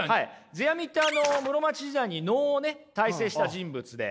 世阿弥って室町時代に能をね大成した人物で。